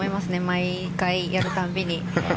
毎回やるたびに。